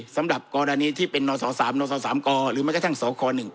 สำหรับกรณีที่เป็นนศ๓นศ๓กหรือแม้กระทั่งสค๑